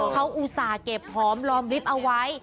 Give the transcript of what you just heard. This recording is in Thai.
เขาอุตส่าห์เก็บหอมรอมลิฟต์เอาไว้